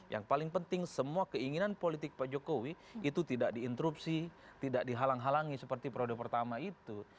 yang paling penting semua keinginan politik pak jokowi itu tidak diinterupsi tidak dihalang halangi seperti perode pertama itu